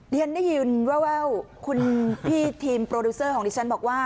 เรียนได้ยินแววคุณพี่ทีมโปรดิวเซอร์ของดิฉันบอกว่า